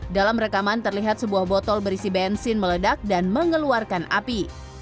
dalam rekaman terlihat sebuah botol berisi bensin meledak dan mengeluarkan api